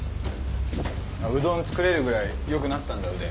うどん作れるぐらいよくなったんだ腕。